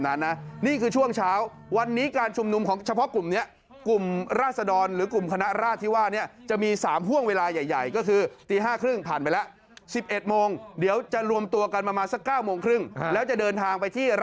นั่นคือห้วงที่๒แล้วห้วงเย็นเนี่ยเขาจะเจอกันที่